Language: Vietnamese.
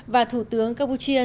và thủ tướng campuchia